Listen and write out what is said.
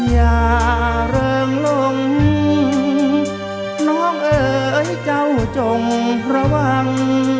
อย่าเริงลมน้องเอ๋ยเจ้าจงระวัง